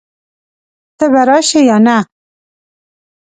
ته به راشې يا نه؟